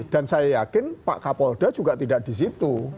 dan saya yakin pak kapolda juga tidak di situ